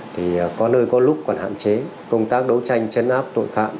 thì có nơi có lúc còn hạn chế công tác đấu tranh chấn áp tội phạm